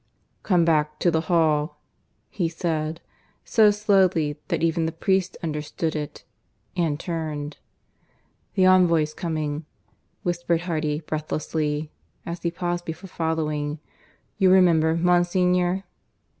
"Come back to the hall," he said, so slowly that even the priest understood it, and turned. "The envoy's coming," whispered Hardy breathlessly, as he paused before following. "You'll remember, Monsignor?